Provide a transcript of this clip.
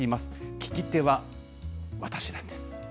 聞き手は私なんです。